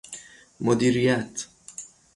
مدیریت